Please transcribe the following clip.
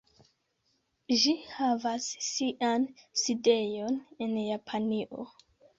Ĝi havas sian sidejon en Japanio.